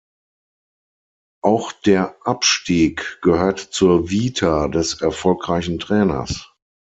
Auch der Abstieg gehörte zur Vita des erfolgreichen Trainers.